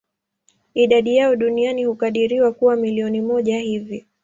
Idadi yao duniani hukadiriwa kuwa milioni mia moja hivi.